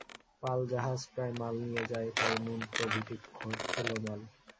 পাল-জাহাজ প্রায় মাল নিয়ে যায়, তাও নুন প্রভৃতি খেলো মাল।